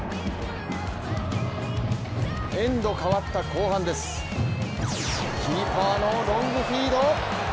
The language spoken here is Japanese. エンド変わった後半です、キーパーのロングフィード。